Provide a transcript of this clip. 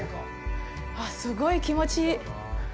あっ、すごい気持ちいい。